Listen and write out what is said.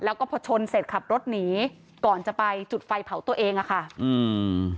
แล้วก็พอชนเสร็จขับรถหนีก่อนจะไปจุดไฟเผาตัวเองอ่ะค่ะอืม